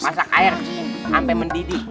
masak air sampai mendidih